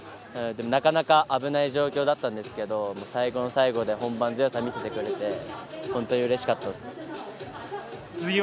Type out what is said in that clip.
なかなか危ない状況だったんですけど最後の最後で本番強さ見せてくれて本当にうれしかったっす。